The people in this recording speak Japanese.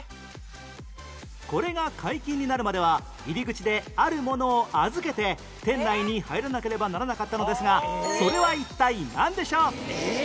これが解禁になるまでは入り口であるものを預けて店内に入らなければならなかったのですがそれは一体なんでしょう？